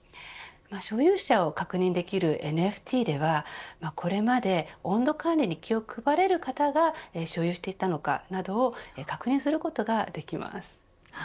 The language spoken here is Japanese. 所有者を確認できるＮＦＴではこれまで温度管理に気を配れる方が所有していたのかなどを確認することができます。